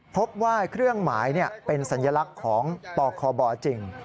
พบว่าเครื่องหมายเป็นสัญลักษณ์ของปคบจริง